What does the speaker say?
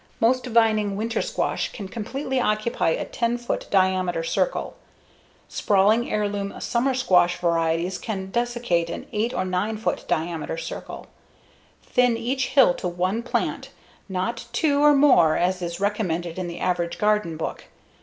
Most vining winter squash can completely occupy a 10 foot diameter circle. Sprawly heirloom summer squash varieties can desiccate an 8 or 9 foot diameter circle. Thin each hill to one plant, not two or more as is recommended in the average garden book.